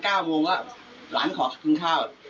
แล้วตอน๙โมงก็หลานขอขึ้นข้าว